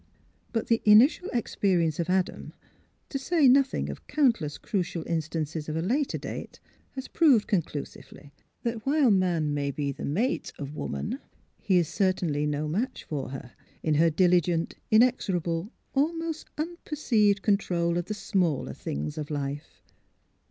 But the initial experience of Adam — to say nothing of countless crucial instances of a later date — has proved conclusively that while man may be the mate of woman he is certainly no THE HIDDEN PICTURE 11 match for lier, in her diligent, inexorable, almost unperceived control of the smaller things of life.